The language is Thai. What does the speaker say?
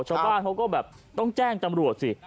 ชาวบ้านเขาก็แบบต้องแจ้งตำรวจสิ